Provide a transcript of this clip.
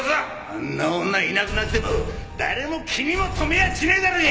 あんな女いなくなっても誰も気にも留めやしねえだろうが！